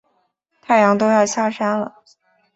太阳都要下山了